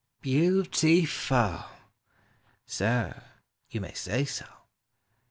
Beautiful! Sir, yon may say so.